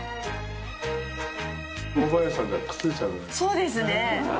そうですね。